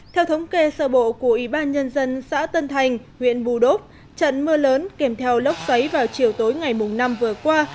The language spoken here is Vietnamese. theo thống kê sở bộ của ủy ban nhân dân xã tân thành huyện bù đốp trận mưa lớn kèm theo lốc xoáy vào chiều tối ngày năm vừa qua